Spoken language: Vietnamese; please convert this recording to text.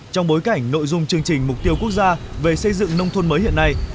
trong bối cảnh nội dung chương trình mục tiêu quốc gia về xây dựng nông thôn mới hiện nay